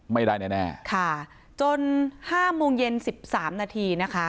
ไม่ได้แน่จน๕มุมเย็น๑๓นาทีนะคะ